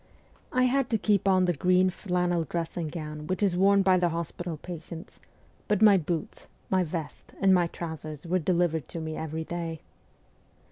I had to keep on the green flannel dressing gown which is worn by the hospital patients, but my boots, my vest, and my trousers were delivered to me every day.